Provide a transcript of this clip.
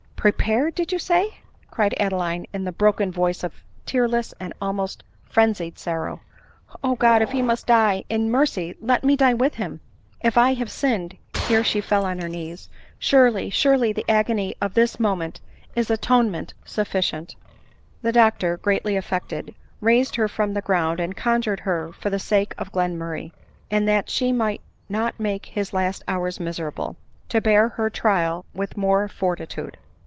" Prepared ! did you say ?" cried Adeline in the bro ken voice of tearless and almost frenzied sorrow. " O God ! if he must die, in mercy let me die with him. If I have sinned, (here she fell on her knees,) surely, surely the agony of this moment is atonement sufficient." Dr , greatly affected, raised her from the • ground, and conjured her for the sake of Glenmurray, and that she might not make his last hours miserable, to bear her trial with more fortitude.